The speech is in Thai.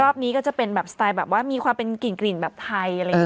นี้ก็จะเป็นแบบสไตล์แบบว่ามีความเป็นกลิ่นแบบไทยอะไรอย่างนี้